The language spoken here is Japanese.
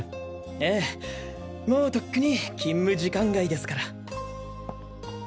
ええもうとっくに勤務時間外ですから。